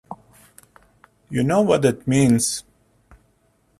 You know what that means.